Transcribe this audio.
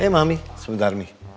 eh mami sebentar